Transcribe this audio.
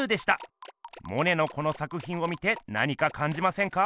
モネのこの作ひんを見て何かかんじませんか？